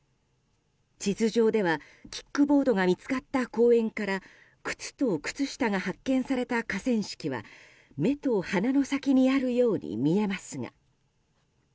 地図上ではキックボードが見つかった公園から靴と靴下が発見された河川敷は目と鼻の先にあるように見えますが。